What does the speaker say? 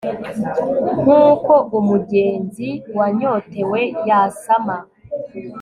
nk'uko umugenzi wanyotewe yasama